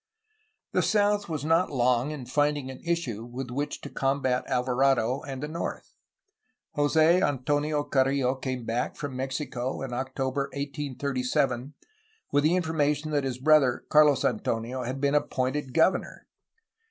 The south was not long in finding an issue with which to combat Alvarado and the north. Jose Antonio Carrillo came back from Mexico in October 1837 with the informa tion that his brother, Carlos Antonio, had been appointed governor.